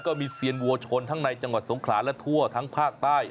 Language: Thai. เซียนวัวชนทั้งในจังหวัดสงขลาและทั่วทั้งภาคใต้